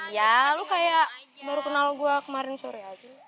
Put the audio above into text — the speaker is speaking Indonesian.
ya lu kayak baru kenal gue kemarin sore aja